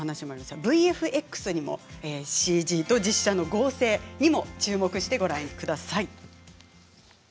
ＶＦＸにも、ＣＧと実写の合成にも注目してご覧ください。